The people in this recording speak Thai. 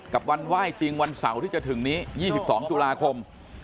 กับวันไหว้จริงวันเสาร์ที่จะถึงนี้๒๒ตุลาคม